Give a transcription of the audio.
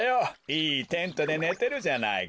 いいテントでねてるじゃないか。